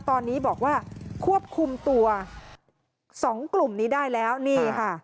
ตอนนี้บอกว่าควบคุมตัวสองกลุ่มนี้ได้แล้วนี่ค่ะ